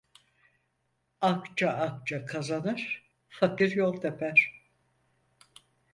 Akça akça kazanır; fakir yol teper.